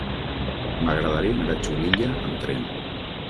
M'agradaria anar a Xulilla amb tren.